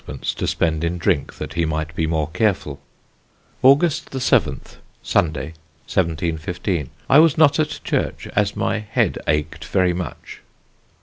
_ to spend in drink that he might be more careful. "August 7th, (Sunday) 1715. I was not at church as my head ached very much.